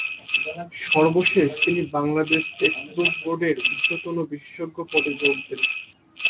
সর্বশেষ তিনি Bangladesh textbook বোর্ডের ঊর্ধ্বতন বিশেষজ্ঞ পদে যোগ দেন।